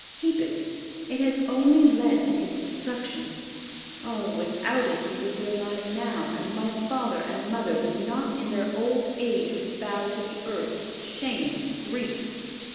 Keep it, it has only led to his destruction. Ah! without it he would be alive now, and my father and mother would not in their old age be bowed to the earth with shame and grief!